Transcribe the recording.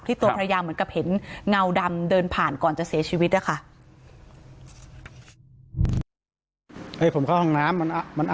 ตัวภรรยาเหมือนกับเห็นเงาดำเดินผ่านก่อนจะเสียชีวิตนะคะ